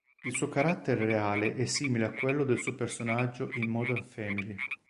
Il suo carattere reale è simile a quello del suo personaggio in "Modern Family".